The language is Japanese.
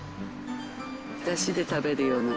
出汁で食べるような。